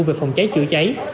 về phòng cháy chữa cháy